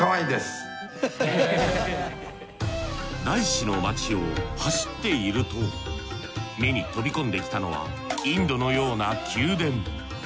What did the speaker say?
大師の街を走っていると目に飛び込んできたのはインドのような宮殿。